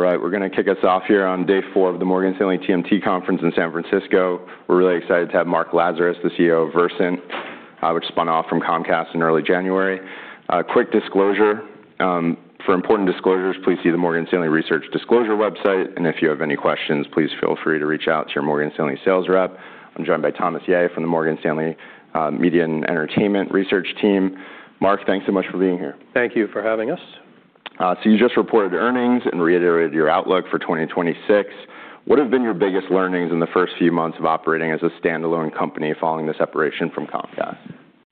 All right, we're gonna kick us off here on day 4 of the Morgan Stanley TMT Conference in San Francisco. We're really excited to have Mark Lazarus, the CEO of Versant, which spun off from Comcast in early January. A quick disclosure. For important disclosures, please see the Morgan Stanley Research Disclosure website. If you have any questions, please feel free to reach out to your Morgan Stanley sales rep. I'm joined by Thomas Yeh from the Morgan Stanley Media and Entertainment Research Team. Mark, thanks so much for being here. Thank you for having us. You just reported earnings and reiterated your outlook for 2026. What have been your biggest learnings in the first few months of operating as a standalone company following the separation from Comcast?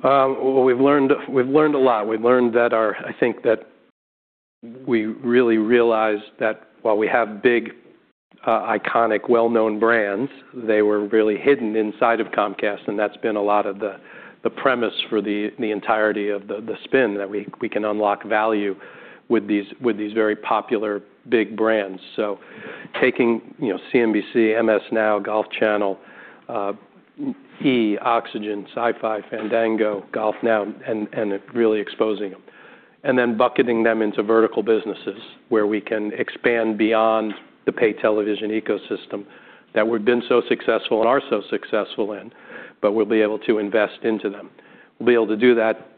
We've learned a lot. I think that we really realized that while we have big, iconic, well-known brands, they were really hidden inside of Comcast, and that's been a lot of the premise for the entirety of the spin that we can unlock value with these very popular big brands. Taking, you know, CNBC, MS NOW, Golf Channel, E!, Oxygen, Syfy, Fandango, GolfNow, and really exposing them. Then bucketing them into vertical businesses where we can expand beyond the pay television ecosystem that we've been so successful and are so successful in, but we'll be able to invest into them. We'll be able to do that,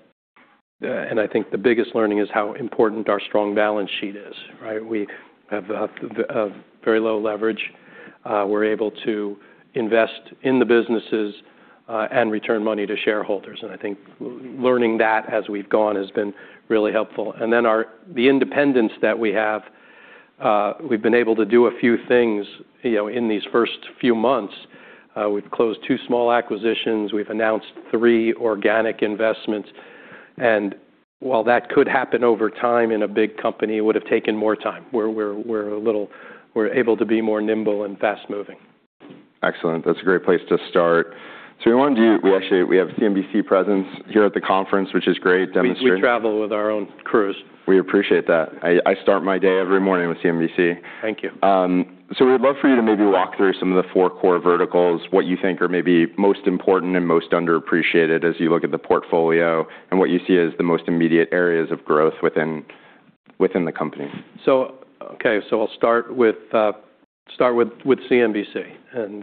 I think the biggest learning is how important our strong balance sheet is, right? We have very low leverage. We're able to invest in the businesses and return money to shareholders. I think learning that as we've gone has been really helpful. The independence that we have, we've been able to do a few things, you know, in these first few months. We've closed 2 small acquisitions. We've announced 3 organic investments. While that could happen over time in a big company, it would have taken more time. We're able to be more nimble and fast-moving. Excellent. That's a great place to start. Yeah. We have CNBC presence here at the conference, which is great demonstrating. We travel with our own crews. We appreciate that. I start my day every morning with CNBC. Thank you. We'd love for you to maybe walk through some of the four core verticals, what you think are maybe most important and most underappreciated as you look at the portfolio and what you see as the most immediate areas of growth within the company. I'll start with CNBC and,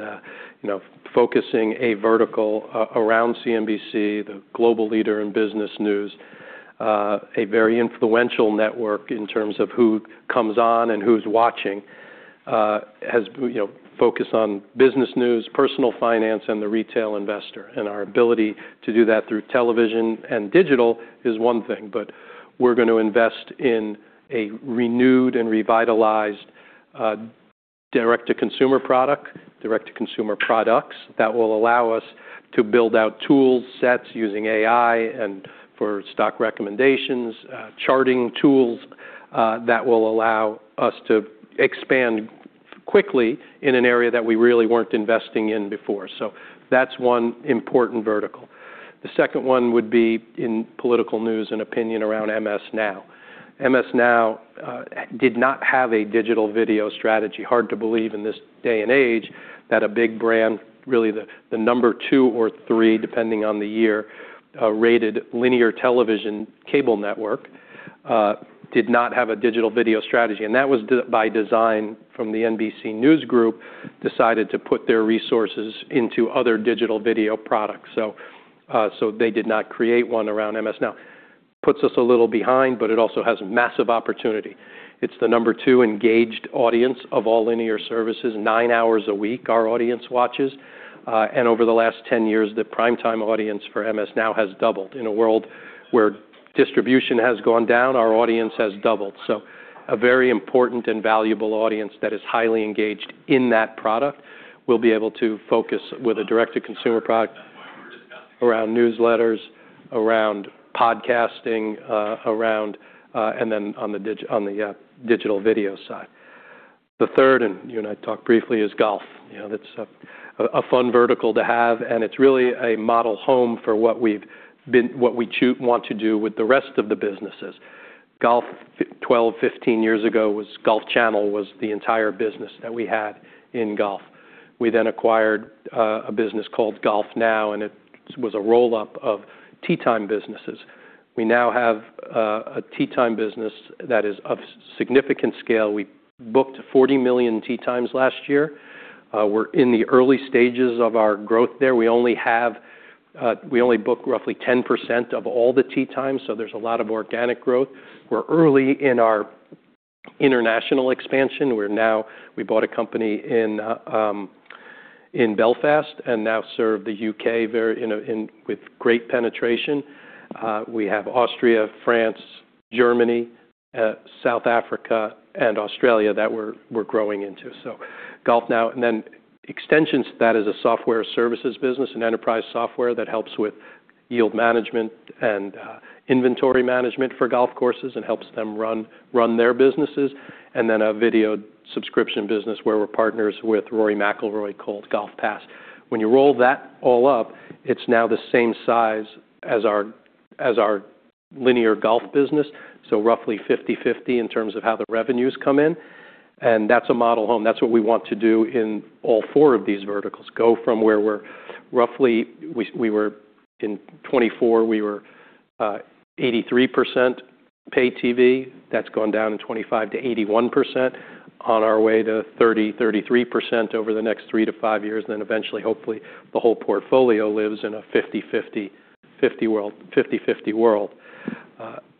you know, focusing a vertical around CNBC, the global leader in business news, a very influential network in terms of who comes on and who's watching, has, you know, focused on business news, personal finance, and the retail investor. Our ability to do that through television and digital is one thing. We're gonna invest in a renewed and revitalized direct-to-consumer products that will allow us to build out tool sets using AI and for stock recommendations, charting tools, that will allow us to expand quickly in an area that we really weren't investing in before. That's one important vertical. The second one would be in political news and opinion around MS Now. MS Now did not have a digital video strategy. Hard to believe in this day and age that a big brand, really the number two or three, depending on the year, rated linear television cable network, did not have a digital video strategy. That was by design from the NBCUniversal News Group, decided to put their resources into other digital video products. They did not create one around MS NOW. Puts us a little behind. It also has massive opportunity. It's the number two engaged audience of all linear services. Nine hours a week, our audience watches. Over the last 10 years, the primetime audience for MS NOW has doubled. In a world where distribution has gone down, our audience has doubled. A very important and valuable audience that is highly engaged in that product. We'll be able to focus with a direct-to-consumer product around newsletters, around podcasting, around, and then on the digital video side. The third, and you and I talked briefly, is golf. You know, that's a fun vertical to have, and it's really a model home for what we want to do with the rest of the businesses. Golf, 12, 15 years ago was Golf Channel was the entire business that we had in golf. We then acquired a business called GolfNow, and it was a roll-up of tee time businesses. We now have a tee time business that is of significant scale. We booked 40 million tee times last year. We're in the early stages of our growth there. We only book roughly 10% of all the tee times, so there's a lot of organic growth. We're early in our international expansion. We bought a company in Belfast and now serve the U.K. very, you know, with great penetration. We have Austria, France, Germany, South Africa, and Australia that we're growing into. GolfNow. Extensions, that is a software services business and enterprise software that helps with yield management and inventory management for golf courses and helps them run their businesses. A video subscription business where we're partners with Rory McIlroy called GolfPass. When you roll that all up, it's now the same size as our, as our linear golf business, so roughly 50/50 in terms of how the revenues come in. That's a model home. That's what we want to do in all four of these verticals, go from where we're roughly. In 2024, we were 83% paid TV, that's gone down in 2025 to 81% on our way to 30%-33% over the next 3-5 years. Eventually, hopefully, the whole portfolio lives in a 50/50 world.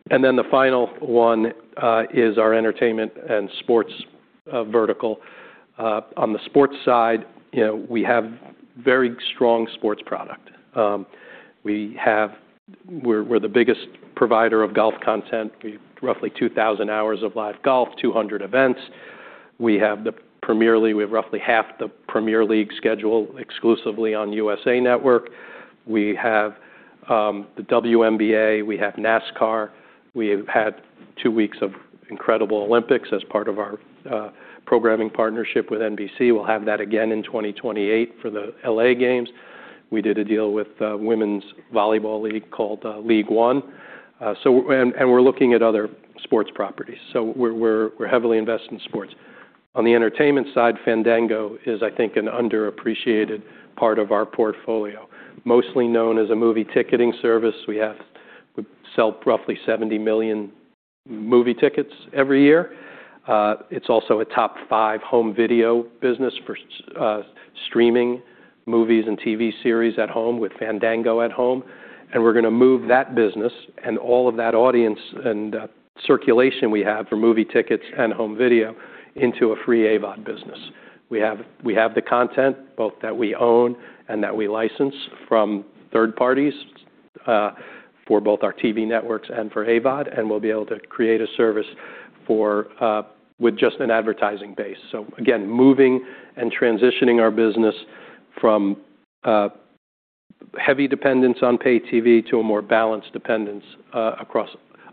The final one is our entertainment and sports vertical. On the sports side, you know, we have very strong sports product. We're the biggest provider of golf content. We've roughly 2,000 hours of live golf, 200 events. We have the Premier League. We have roughly half the Premier League schedule exclusively on USA Network. We have the WNBA, we have NASCAR. We've had two weeks of incredible Olympics as part of our programming partnership with NBC. We'll have that again in 2028 for the L.A. games. We did a deal with women's volleyball league called League One. and we're looking at other sports properties. we're heavily invested in sports. On the entertainment side, Fandango is, I think, an underappreciated part of our portfolio. Mostly known as a movie ticketing service. We sell roughly 70 million movie tickets every year. It's also a top five home video business for streaming movies and TV series at home with Fandango at Home. And we're gonna move that business and all of that audience and circulation we have for movie tickets and home video into a free AVOD business. We have the content both that we own and that we license from third parties, for both our TV networks and for AVOD, and we'll be able to create a service for, with just an advertising base. Again, moving and transitioning our business from, heavy dependence on paid TV to a more balanced dependence, across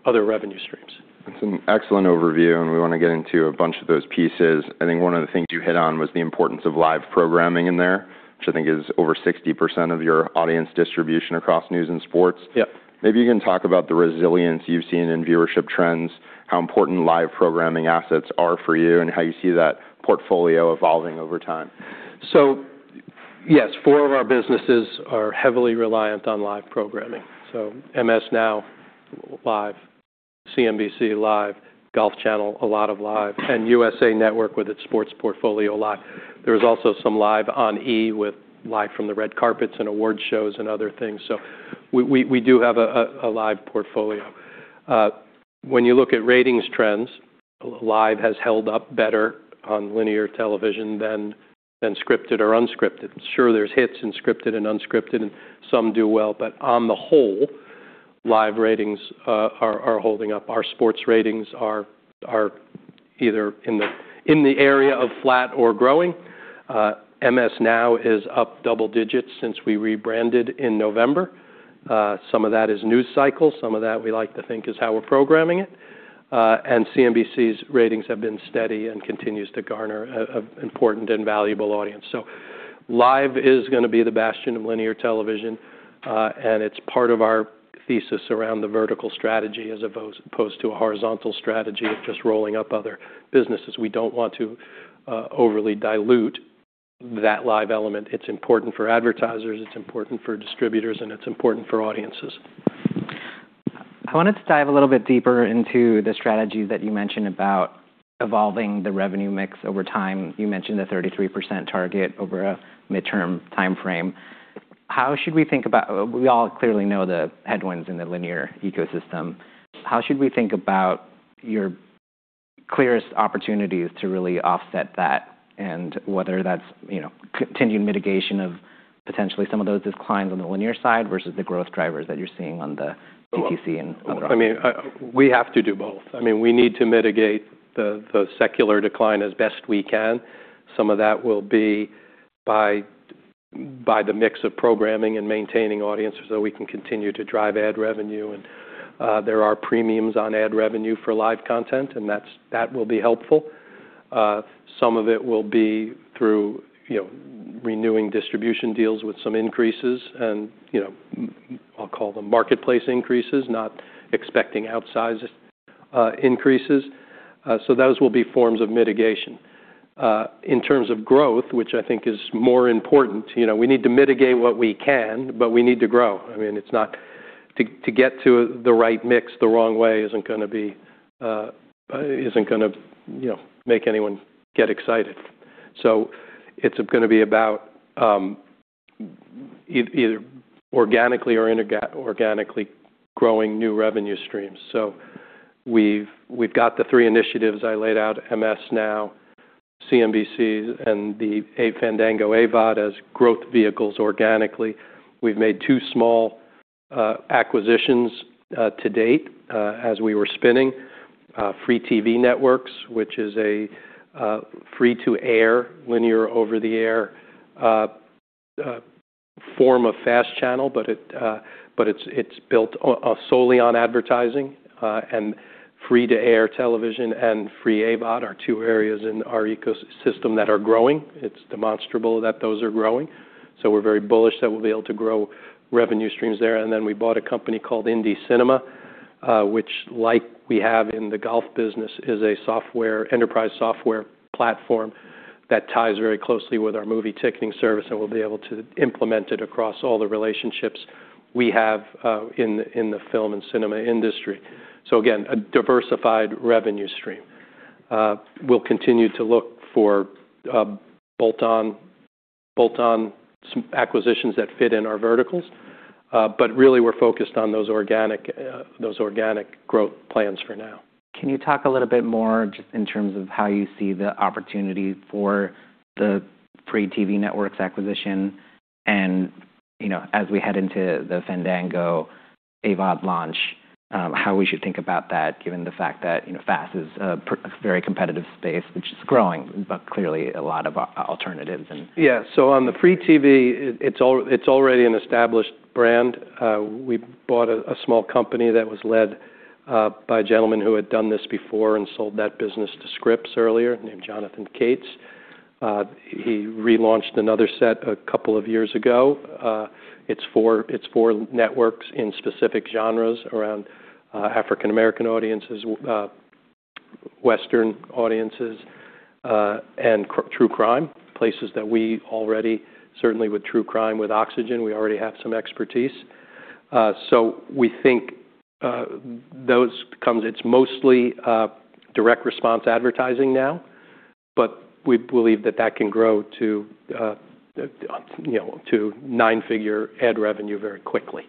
other revenue streams. That's an excellent overview. We wanna get into a bunch of those pieces. I think one of the things you hit on was the importance of live programming in there, which I think is over 60% of your audience distribution across news and sports. Yep. Maybe you can talk about the resilience you've seen in viewership trends, how important live programming assets are for you, and how you see that portfolio evolving over time. Yes, 4 of our businesses are heavily reliant on live programming. MS NOW live, CNBC live, Golf Channel, a lot of live, and USA Network with its sports portfolio live. There's also some live on E! with live from the red carpets and award shows and other things. We do have a live portfolio. When you look at ratings trends, live has held up better on linear television than scripted or unscripted. Sure there's hits in scripted and unscripted, and some do well, but on the whole, live ratings are holding up. Our sports ratings are either in the area of flat or growing. MS NOW is up double digits since we rebranded in November. Some of that is news cycle, some of that we like to think is how we're programming it. CNBC's ratings have been steady and continues to garner a important and valuable audience. Live is gonna be the bastion of linear television, and it's part of our thesis around the vertical strategy as opposed to a horizontal strategy of just rolling up other businesses. We don't want to overly dilute that live element. It's important for advertisers, it's important for distributors, and it's important for audiences. I wanted to dive a little bit deeper into the strategy that you mentioned about evolving the revenue mix over time. You mentioned the 33% target over a midterm timeframe. We all clearly know the headwinds in the linear ecosystem. How should we think about your clearest opportunities to really offset that? And whether that's, you know, continued mitigation of potentially some of those declines on the linear side versus the growth drivers that you're seeing on the CTC and? I mean, we have to do both. I mean, we need to mitigate the secular decline as best we can. Some of that will be by the mix of programming and maintaining audiences, so we can continue to drive ad revenue. There are premiums on ad revenue for live content, that will be helpful. Some of it will be through, you know, renewing distribution deals with some increases and, you know, I'll call them marketplace increases, not expecting outsized increases. So those will be forms of mitigation. In terms of growth, which I think is more important, you know, we need to mitigate what we can, but we need to grow. I mean, to get to the right mix the wrong way isn't gonna be, you know, make anyone get excited. It's gonna be about either organically growing new revenue streams. We've got the three initiatives I laid out, MS NOW, CNBC, and the Fandango AVOD as growth vehicles organically. We've made two small acquisitions to date as we were spinning Free TV Networks, which is a free to air linear over the air form of FAST channel, but it's built on solely on advertising. Free to air television and free AVOD are two areas in our ecosystem that are growing. It's demonstrable that those are growing. We're very bullish that we'll be able to grow revenue streams there. We bought a company called INDY Cinema, which like we have in the golf business, is an enterprise software platform that ties very closely with our movie ticketing service, and we'll be able to implement it across all the relationships we have in the film and cinema industry. Again, a diversified revenue stream. We'll continue to look for bolt on some acquisitions that fit in our verticals, really, we're focused on those organic growth plans for now. Can you talk a little bit more just in terms of how you see the opportunity for the Free TV Networks acquisition and, you know, as we head into the Fandango AVOD launch, how we should think about that, given the fact that, you know, FAST is a very competitive space, which is growing, but clearly a lot of alternatives? On the free TV, it's already an established brand. We bought a small company that was led by a gentleman who had done this before and sold that business to Scripps earlier named Jonathan Katz. He relaunched another set a couple of years ago. It's four networks in specific genres around African American audiences, Western audiences, and true crime. Places that we already. Certainly with true crime, with Oxygen, we already have some expertise. It's mostly direct response advertising now, but we believe that that can grow to, you know, to nine-figure ad revenue very quickly.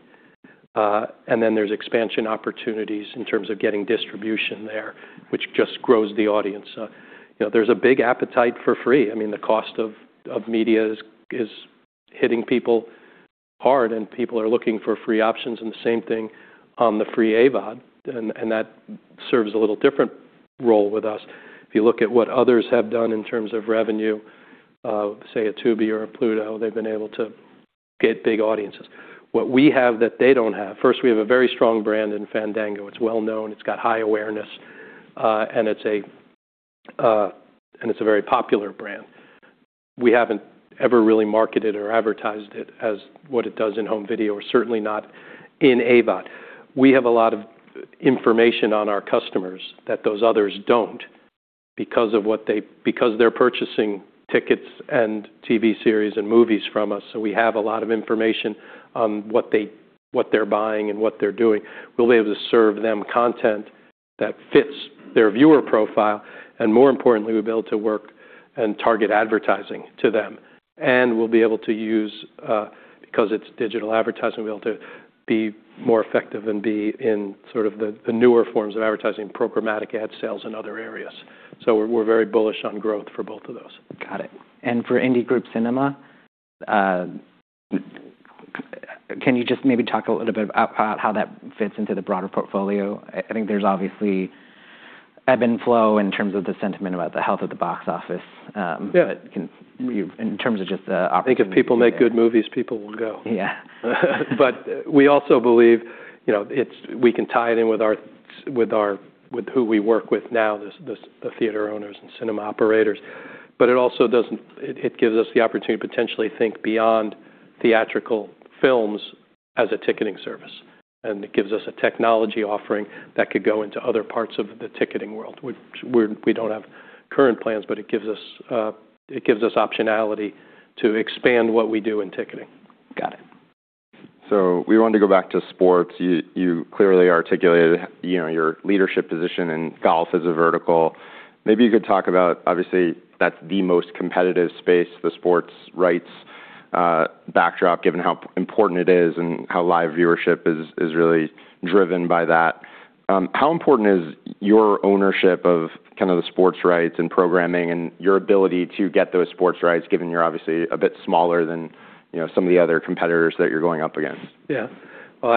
There's expansion opportunities in terms of getting distribution there, which just grows the audience. You know, there's a big appetite for free. I mean, the cost of media is hitting people hard, and people are looking for free options, and the same thing on the free AVOD. That serves a little different role with us. If you look at what others have done in terms of revenue, say a Tubi or a Pluto, they've been able to get big audiences. What we have that they don't have: First, we have a very strong brand in Fandango. It's well-known, it's got high awareness, and it's a very popular brand. We haven't ever really marketed or advertised it as what it does in home video or certainly not in AVOD. We have a lot of information on our customers that those others don't because they're purchasing tickets and TV series and movies from us, so we have a lot of information on what they're buying and what they're doing. We'll be able to serve them content that fits their viewer profile, and more importantly, we'll be able to work and target advertising to them. We'll be able to use, because it's digital advertising, we'll be able to be more effective and be in sort of the newer forms of advertising, programmatic ad sales in other areas. We're very bullish on growth for both of those. Got it. For INDY Group Cinema, can you just maybe talk a little bit about how that fits into the broader portfolio? I think there's obviously ebb and flow in terms of the sentiment about the health of the box office. Yeah In terms of just the opportunity... I think if people make good movies, people will go. Yeah. We also believe, you know, we can tie it in with our, with our, with who we work with now, the theater owners and cinema operators. It gives us the opportunity to potentially think beyond theatrical films as a ticketing service, and it gives us a technology offering that could go into other parts of the ticketing world, which we don't have current plans, but it gives us optionality to expand what we do in ticketing. Got it. We wanted to go back to sports. You clearly articulated, you know, your leadership position in golf as a vertical. Maybe you could talk about, obviously, that's the most competitive space, the sports rights backdrop, given how important it is and how live viewership is really driven by that. How important is your ownership of kind of the sports rights and programming and your ability to get those sports rights, given you're obviously a bit smaller than, you know, some of the other competitors that you're going up against? Well,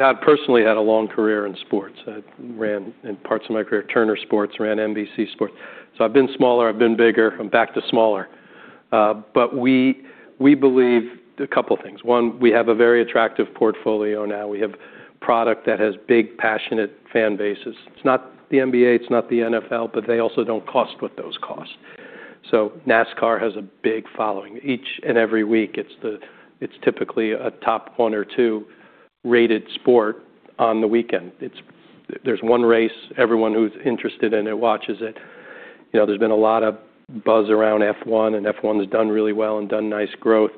I've personally had a long career in sports. I ran, in parts of my career, Turner Sports, ran NBC Sports. I've been smaller, I've been bigger, I'm back to smaller. We believe 2 things. One, we have a very attractive portfolio now. We have product that has big, passionate fan bases. It's not the NBA, it's not the NFL, they also don't cost what those cost. NASCAR has a big following. Each and every week, it's typically a top 1 or 2 rated sport on the weekend. There's 1 race, everyone who's interested in it watches it. You know, there's been a lot of buzz around F1 and F1 has done really well and done nice growth.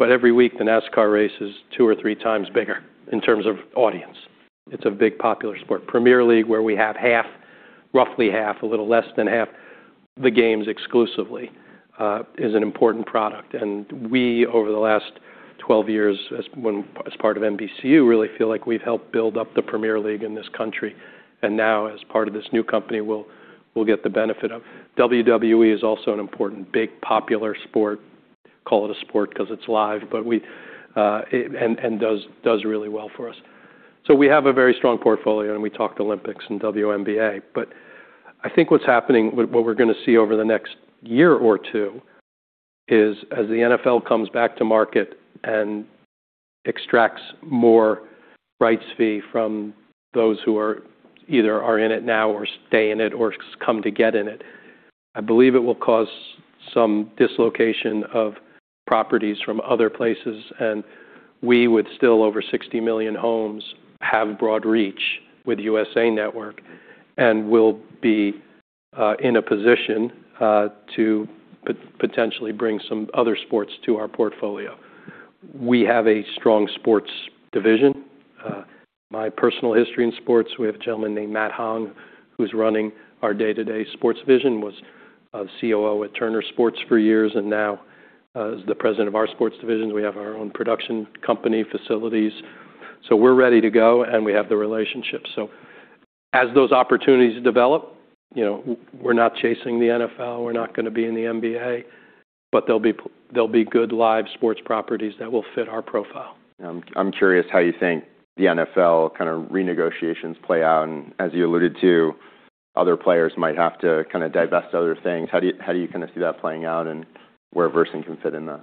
Every week, the NASCAR race is 2 or 3 times bigger in terms of audience. It's a big, popular sport. Premier League, where we have half, roughly half, a little less than half the games exclusively, is an important product. And we, over the last 12 years, as part of NBCU, really feel like we've helped build up the Premier League in this country. And now, as part of this new company, we'll get the benefit of... WWE is also an important, big, popular sport. Call it a sport 'cause it's live, but we... And does really well for us. We have a very strong portfolio, and we talked Olympics and WNBA. I think what's happening, what we're gonna see over the next year or 2 is, as the NFL comes back to market and extracts more rights fee from those who are, either in it now or stay in it or come to get in it, I believe it will cause some dislocation of properties from other places. We would still, over 60 million homes, have broad reach with USA Network and will be in a position to potentially bring some other sports to our portfolio. We have a strong sports division. My personal history in sports, we have a gentleman named Matt Hong, who's running our day-to-day sports vision, was COO at Turner Sports for years, and now is the president of our sports division. We have our own production company facilities, so we're ready to go. We have the relationships. As those opportunities develop, you know, we're not chasing the NFL, we're not gonna be in the NBA, but there'll be good live sports properties that will fit our profile. I'm curious how you think the NFL kind of renegotiations play out, and as you alluded to, other players might have to kinda divest other things. How do you kinda see that playing out and where Versant can fit in that?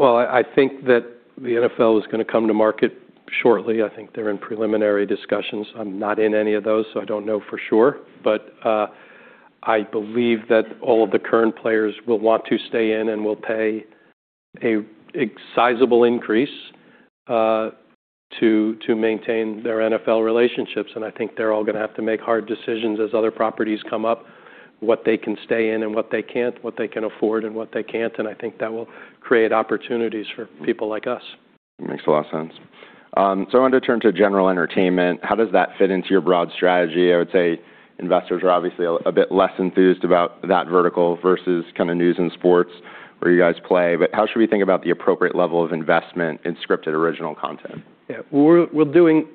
I think that the NFL is gonna come to market shortly. I think they're in preliminary discussions. I'm not in any of those, so I don't know for sure. I believe that all of the current players will want to stay in and will pay a sizable increase to maintain their NFL relationships. I think they're all gonna have to make hard decisions as other properties come up, what they can stay in and what they can't, what they can afford and what they can't, and I think that will create opportunities for people like us. Makes a lot of sense. I wanted to turn to general entertainment. How does that fit into your broad strategy? I would say investors are obviously a bit less enthused about that vertical versus kinda news and sports where you guys play. How should we think about the appropriate level of investment in scripted original content? We're doing.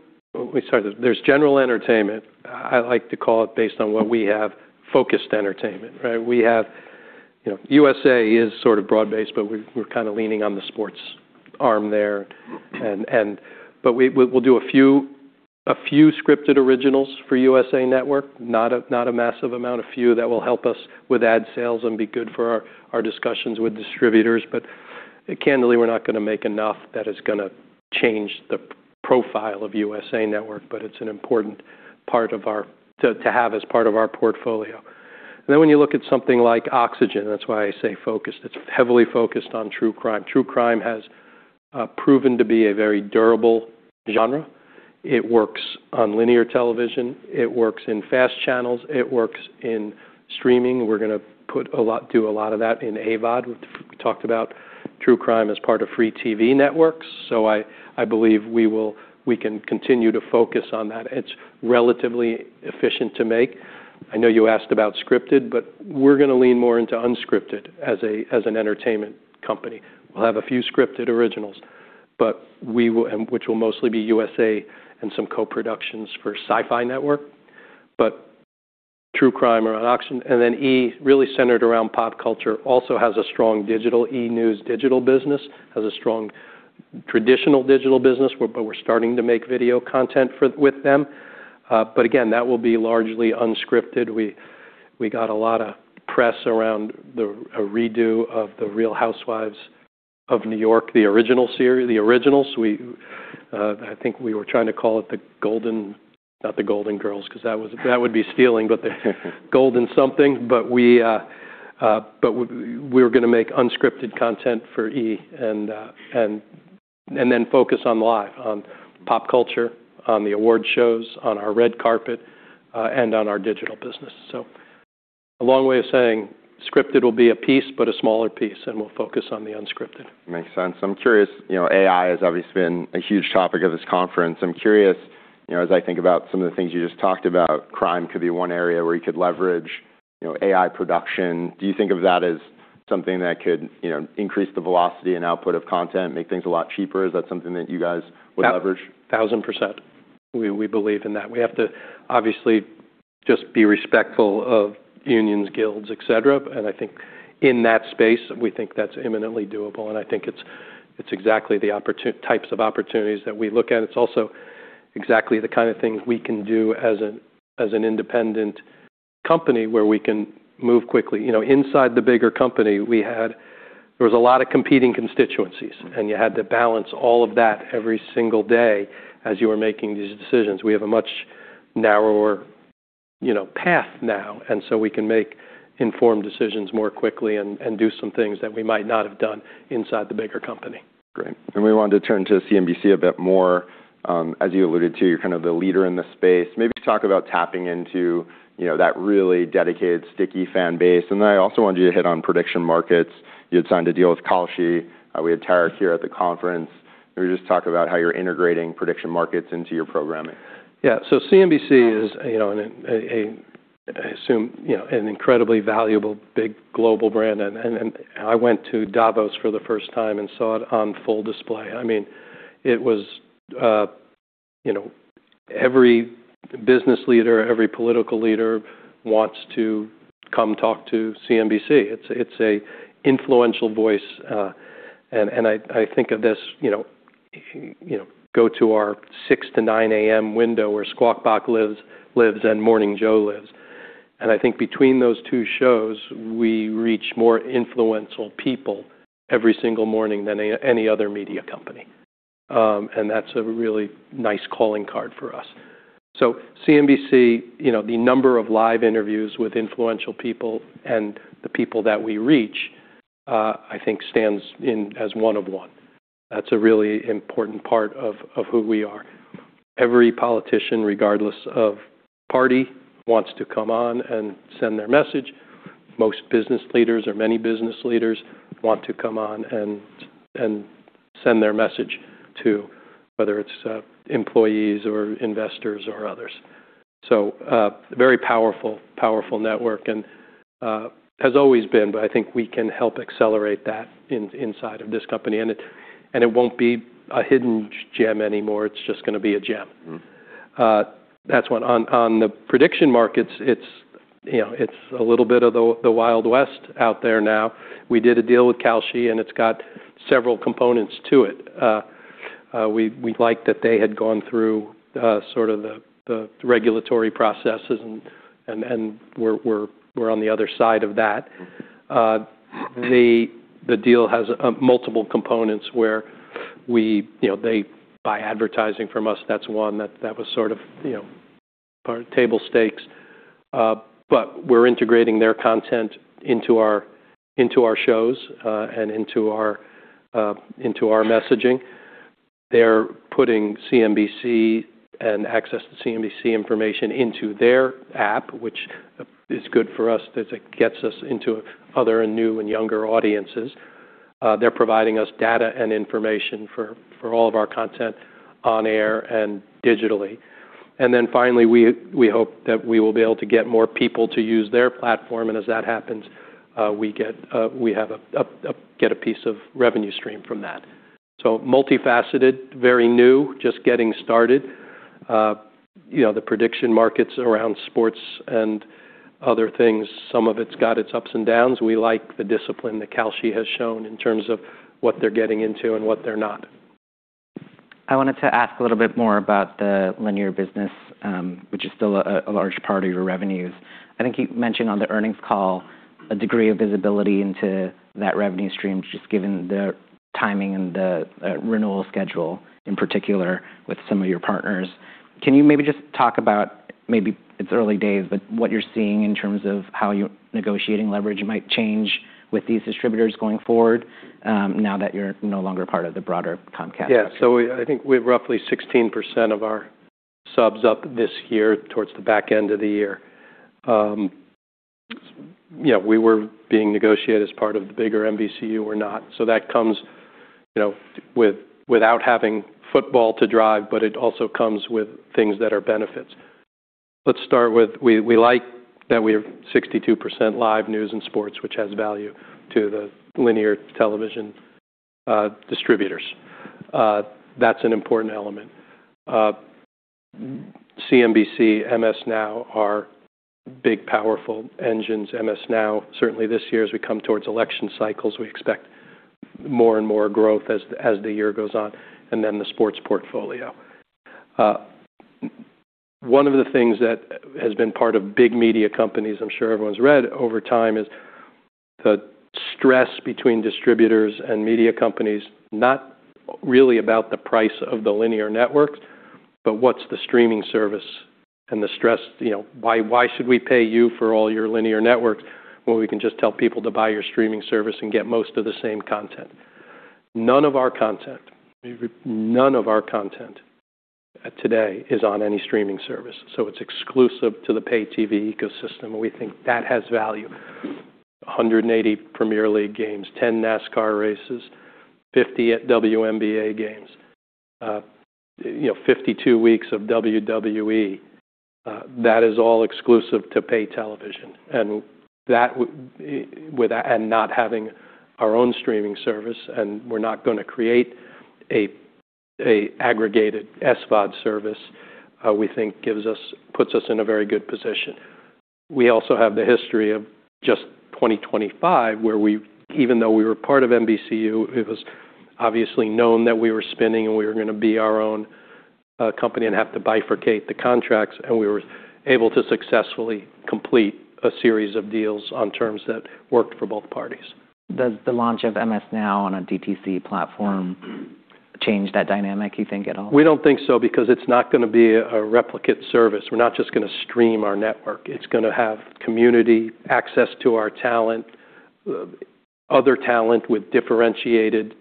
Sorry. There's general entertainment. I like to call it, based on what we have, focused entertainment. Right? You know, USA is sort of broad-based, but we're kinda leaning on the sports arm there. We'll do a few scripted originals for USA Network. Not a massive amount. A few that will help us with ad sales and be good for our discussions with distributors. Candidly, we're not gonna make enough that is gonna change the profile of USA Network, but it's an important part of our to have as part of our portfolio. When you look at something like Oxygen, that's why I say focused. It's heavily focused on true crime. True crime has proven to be a very durable genre. It works on linear television, it works in FAST channels, it works in streaming. We're gonna do a lot of that in AVOD. We've talked about true crime as part of Free TV Networks. I believe we can continue to focus on that. It's relatively efficient to make. I know you asked about scripted, but we're gonna lean more into unscripted as a, as an entertainment company. We'll have a few scripted originals, but we will, which will mostly be USA and some co-productions for Syfy Network. True crime are on Oxygen. E! really centered around pop culture, also has a strong digital, E! News digital business, has a strong traditional digital business, but we're starting to make video content with them. Again, that will be largely unscripted. We got a lot of press around a redo of The Real Housewives of New York, the originals. We, I think we were trying to call it the golden... Not the golden girls, 'cause that would be stealing. The golden something. We were gonna make unscripted content for E! Then focus on live, on pop culture, on the award shows, on our red carpet, and on our digital business. A long way of saying scripted will be a piece, but a smaller piece, and we'll focus on the unscripted. Makes sense. I'm curious, you know, AI has obviously been a huge topic of this conference. I'm curious, you know, as I think about some of the things you just talked about, crime could be one area where you could leverage, you know, AI production. Do you think of that as something that could, you know, increase the velocity and output of content, make things a lot cheaper? Is that something that you guys would leverage? 1,000% we believe in that. We have to obviously just be respectful of unions, guilds, et cetera, but I think in that space, we think that's imminently doable, and I think it's exactly the types of opportunities that we look at. It's also exactly the kind of things we can do as an independent company, where we can move quickly. You know, inside the bigger company we had, there was a lot of competing constituencies, and you had to balance all of that every single day as you were making these decisions. We have a much narrower, you know, path now, and so we can make informed decisions more quickly and do some things that we might not have done inside the bigger company. Great. We wanted to turn to CNBC a bit more. As you alluded to, you're kind of the leader in the space. Maybe talk about tapping into, you know, that really dedicated, sticky fan base. Then I also wanted you to hit on prediction markets. You had signed a deal with Kalshi. We had Tarek here at the conference. Maybe just talk about how you're integrating prediction markets into your programming. Yeah. CNBC is, you know, an incredibly valuable, big global brand. And I went to Davos for the first time and saw it on full display. I mean, it was, you know, every business leader, every political leader wants to come talk to CNBC. It's a influential voice. And I think of this, you know, go to our 6:00 A.M. window, where Squawk Box lives and Morning Joe lives. I think between those two shows, we reach more influential people every single morning than any other media company. That's a really nice calling card for us. CNBC, you know, the number of live interviews with influential people and the people that we reach, I think stands in as one of one. That's a really important part of who we are. Every politician, regardless of party, wants to come on and send their message. Most business leaders or many business leaders want to come on and send their message to whether it's employees or investors or others. very powerful network and has always been, but I think we can help accelerate that inside of this company. it won't be a hidden gem anymore. It's just gonna be a gem. Mm-hmm. That's one. On the prediction markets, it's, you know, it's a little bit of the Wild West out there now. We did a deal with Kalshi, and it's got several components to it. We liked that they had gone through sort of the regulatory processes and we're on the other side of that. The deal has multiple components where we, you know, by advertising from us, that's one. That was sort of, you know, our table stakes. But we're integrating their content into our shows and into our messaging. They're putting CNBC and access to CNBC information into their app, which is good for us as it gets us into other and new and younger audiences. They're providing us data and information for all of our content on air and digitally. Finally, we hope that we will be able to get more people to use their platform. As that happens, we have a piece of revenue stream from that. Multifaceted, very new, just getting started. You know, the prediction markets around sports and other things, some of it's got its ups and downs. We like the discipline that Kalshi has shown in terms of what they're getting into and what they're not. I wanted to ask a little bit more about the linear business, which is still a large part of your revenues. I think you mentioned on the earnings call a degree of visibility into that revenue stream, just given the timing and the renewal schedule, in particular, with some of your partners. Can you maybe just talk about, maybe it's early days, but what you're seeing in terms of how your negotiating leverage might change with these distributors going forward, now that you're no longer part of the broader Comcast structure? I think we have roughly 16% of our subs up this year towards the back end of the year. You know, we were being negotiated as part of the bigger NBCU or not. That comes, you know, with-without having football to drive, but it also comes with things that are benefits. Let's start with we like that we have 62% live news and sports, which has value to the linear television distributors. That's an important element. CNBC, MS Now are big, powerful engines. MS Now, certainly this year as we come towards election cycles, we expect more and more growth as the year goes on, then the sports portfolio. One of the things that has been part of big media companies, I'm sure everyone's read over time, is the stress between distributors and media companies, not really about the price of the linear networks, but what's the streaming service and the stress, you know, why should we pay you for all your linear networks when we can just tell people to buy your streaming service and get most of the same content? None of our content today is on any streaming service, so it's exclusive to the paid TV ecosystem. We think that has value. 180 Premier League games, 10 NASCAR races, 50 WNBA games, you know, 52 weeks of WWE, that is all exclusive to pay television. Not having our own streaming service, and we're not gonna create a aggregated SVOD service, we think puts us in a very good position. We also have the history of just 2025, where even though we were part of NBCU, it was obviously known that we were spinning, and we were gonna be our own company and have to bifurcate the contracts, and we were able to successfully complete a series of deals on terms that worked for both parties. Does the launch of MS NOW on a DTC platform change that dynamic, you think, at all? We don't think so because it's not gonna be a replicate service. We're not just gonna stream our network. It's gonna have community access to our talent, other talent with differentiated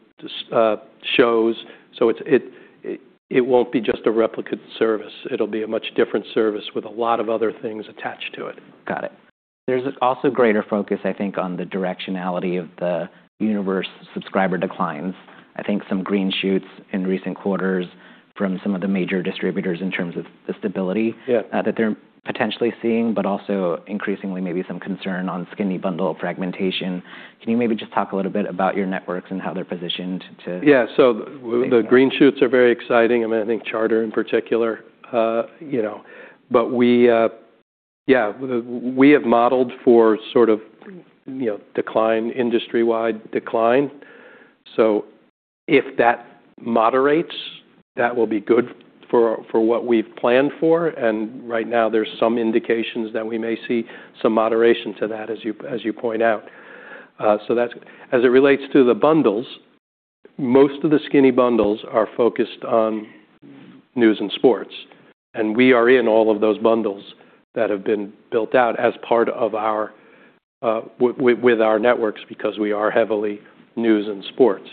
shows. It's, it won't be just a replicate service. It'll be a much different service with a lot of other things attached to it. Got it. There's also greater focus, I think, on the directionality of the universe subscriber declines. I think some green shoots in recent quarters from some of the major distributors in terms of the stability. Yeah... that they're potentially seeing, but also increasingly maybe some concern on skinny bundle fragmentation. Can you maybe just talk a little bit about your networks and how they're positioned? The green shoots are very exciting. I mean, I think Charter in particular, you know. We have modeled for sort of, you know, decline, industry-wide decline. If that moderates, that will be good for what we've planned for. Right now there's some indications that we may see some moderation to that, as you point out. As it relates to the bundles, most of the skinny bundles are focused on news and sports, and we are in all of those bundles that have been built out as part of our, with our networks because we are heavily news and sports.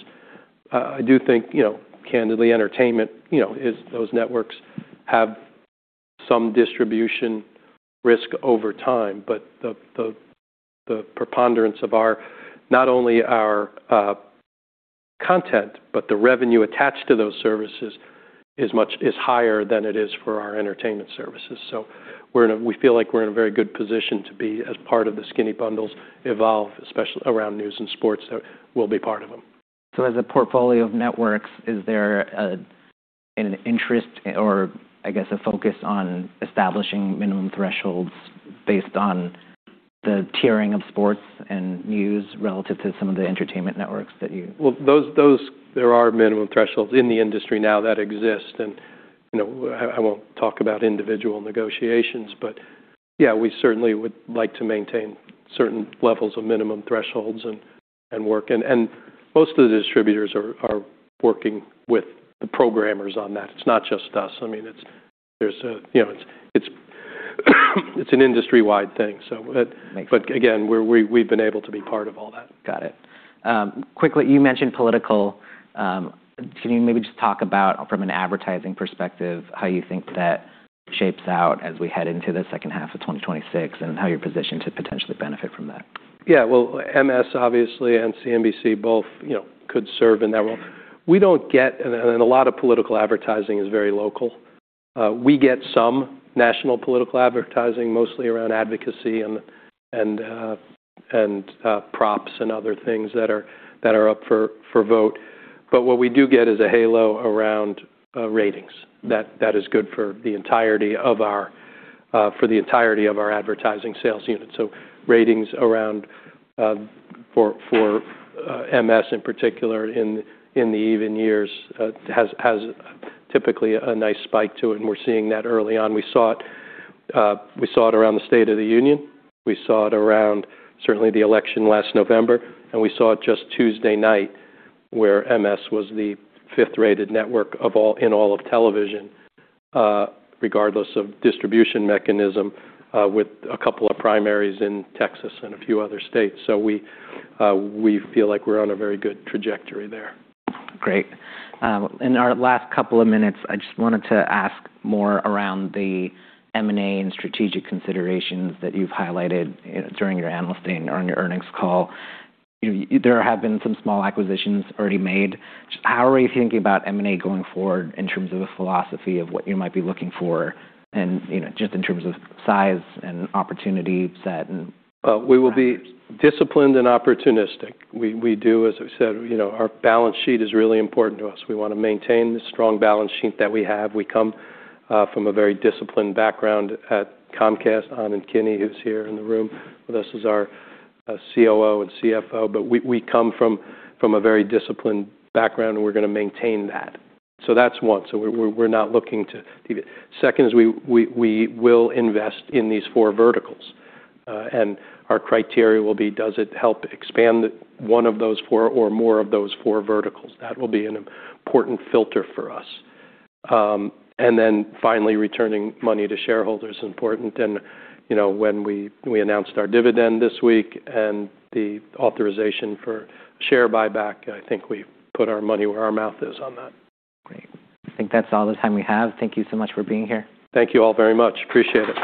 I do think, you know, candidly, entertainment, you know, is. Those networks have some distribution risk over time, the preponderance of our, not only our content, but the revenue attached to those services is higher than it is for our entertainment services. We feel like we're in a very good position to be as part of the skinny bundles evolve, especially around news and sports, we'll be part of them. As a portfolio of networks, is there an interest or, I guess, a focus on establishing minimum thresholds based on the tiering of sports and news relative to some of the entertainment networks that you? Well, those. There are minimum thresholds in the industry now that exist. You know, I won't talk about individual negotiations, but yeah, we certainly would like to maintain certain levels of minimum thresholds and work. Most of the distributors are working with the programmers on that. It's not just us. I mean, you know, it's an industry-wide thing, so. Makes sense. Again, we've been able to be part of all that. Got it. Quickly, you mentioned political. Can you maybe just talk about, from an advertising perspective, how you think that shapes out as we head into the second half of 2026 and how you're positioned to potentially benefit from that? Yeah. Well, MS obviously and CNBC both, you know, could serve in that role. We don't get... A lot of political advertising is very local. We get some national political advertising, mostly around advocacy and, props and other things that are up for vote. What we do get is a halo around ratings. That, that is good for the entirety of our, for the entirety of our advertising sales unit. Ratings around for, MS in particular in the even years, has typically a nice spike to it, and we're seeing that early on. We saw it, we saw it around the State of the Union. We saw it around certainly the election last November, and we saw it just Tuesday night where MS was the fifth-rated network in all of television, regardless of distribution mechanism, with 2 primaries in Texas and a few other states. We feel like we're on a very good trajectory there. Great. In our last couple of minutes, I just wanted to ask more around the M&A and strategic considerations that you've highlighted, you know, during your analyst day and on your earnings call. There have been some small acquisitions already made. How are you thinking about M&A going forward in terms of the philosophy of what you might be looking for and, you know, just in terms of size and opportunity set and- We will be disciplined and opportunistic. We do, as I said, you know, our balance sheet is really important to us. We wanna maintain the strong balance sheet that we have. We come from a very disciplined background at Comcast. Anand Kini, who's here in the room with us, is our COO and CFO. We come from a very disciplined background, and we're gonna maintain that. That's one. We're not looking to... Second is we will invest in these 4 verticals. Our criteria will be, does it help expand 1 of those 4 or more of those 4 verticals? That will be an important filter for us. Finally, returning money to shareholders is important. You know, when we announced our dividend this week and the authorization for share buyback, I think we've put our money where our mouth is on that. Great. I think that's all the time we have. Thank you so much for being here. Thank you all very much. Appreciate it.